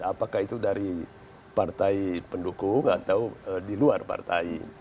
apakah itu dari partai pendukung atau di luar partai